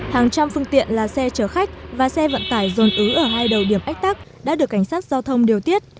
hàng trăm phương tiện là xe chở khách và xe vận tải dồn ứ ở hai đầu điểm ách tắc đã được cảnh sát giao thông điều tiết